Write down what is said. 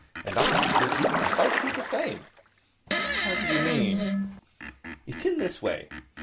And I shall do precisely the same.' 'How do you mean?' 'It is this way.